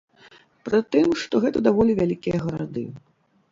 Пры тым, што гэта даволі вялікія гарады.